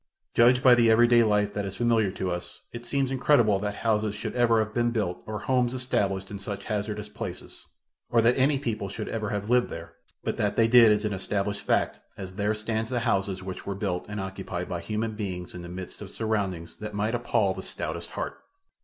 Judged by the everyday life that is familiar to us it seems incredible that houses should ever have been built or homes established in such hazardous places, or that any people should have ever lived there. But that they did is an established fact as there stand the houses which were built and occupied by human beings in the midst of surroundings that might appall the stoutest heart.